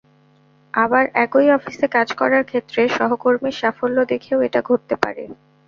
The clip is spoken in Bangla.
আবার একই অফিসে কাজ করার ক্ষেত্রে সহকর্মীর সাফল্য দেখেও এটা ঘটতে পারে।